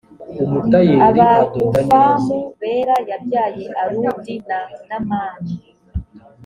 abahufamu bela yabyaye arudi na namani